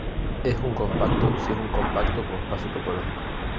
Es un compacto si es un compacto como espacio topológico.